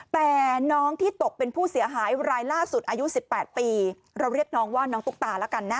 แต่น้องที่ตกเป็นผู้เสียหายรายล่าสุดอายุ๑๘ปีเราเรียกน้องว่าน้องตุ๊กตาแล้วกันนะ